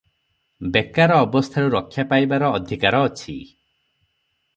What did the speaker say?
ବେକାର ଅବସ୍ଥାରୁ ରକ୍ଷା ପାଇବାର ଅଧିକାର ଅଛି ।